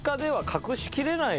隠しきれない？